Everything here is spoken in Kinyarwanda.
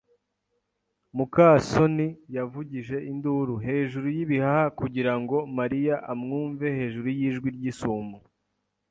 muka soni yavugije induru hejuru y'ibihaha kugira ngo Mariya amwumve hejuru y'ijwi ry'isumo.